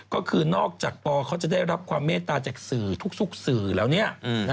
ก็คือนอกจากปอเขาจะได้รับความเมตตาจากสื่อทุกสื่อแล้วเนี่ย